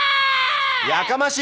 やかましい！